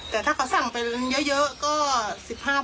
แต่ถ้าเขาสั่งไปเยอะก็๑๕บาท